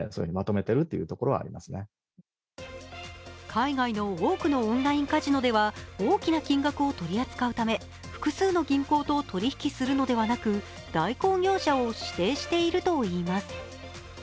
海外の多くのオンラインカジノでは大きな金額を取り扱うため複数の銀行と取り引きするのではなく、代行業者を指定しているといいます。